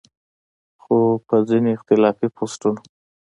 خو پۀ ځينې اختلافي پوسټونو